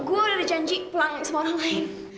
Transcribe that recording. gua udah janji pulang sama orang lain